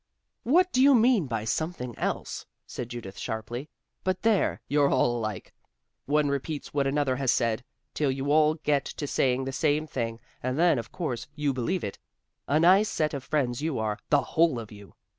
"What do you mean by 'something else'?" said Judith sharply. "But there you're all alike. One repeats what another has said, till you all get to saying the same thing and then of course you believe it. A nice set of friends you are the whole of you.